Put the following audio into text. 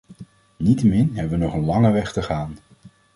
Niettemin hebben we nog een lange weg te gaan.